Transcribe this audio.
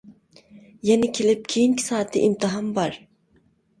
يەنە كېلىپ كېيىنكى سائەتتە ئىمتىھان بار.